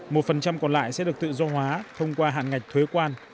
một phần trăm còn lại sẽ được tự do hóa thông qua hạn ngạch thuế quan